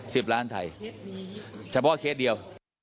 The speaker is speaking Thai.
สิบล้านไทยเฉพาะเคสเดียว